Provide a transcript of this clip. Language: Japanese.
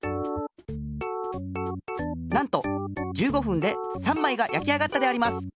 なんと１５ふんで３まいがやき上がったであります。